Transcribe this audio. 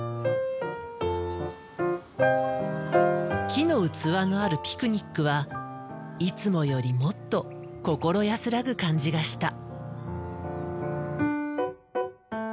木の器があるピクニックはいつもよりもっと心安らぐ感じがした。